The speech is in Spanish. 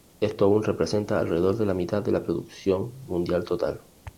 Esto aún representa alrededor de la mitad de la producción mundial total.